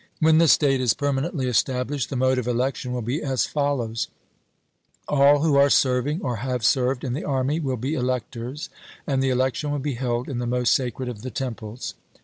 When the state is permanently established, the mode of election will be as follows: All who are serving, or have served, in the army will be electors; and the election will be held in the most sacred of the temples.